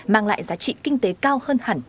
mang lại giá trị kinh tế cao hơn hẳn